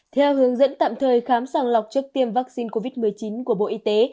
theo hướng dẫn tạm thời khám sàng lọc trước tiêm vaccine covid một mươi chín của bộ y tế